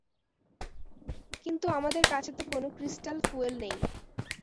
কিন্তু আমাদের কাছে তো কোনো ক্রিস্টাল ফুয়েল নেই।